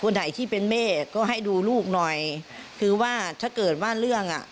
ไหนที่เป็นแม่ก็ให้ดูลูกหน่อยคือว่าถ้าเกิดว่าเรื่องอ่ะ